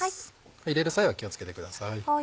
入れる際は気を付けてください。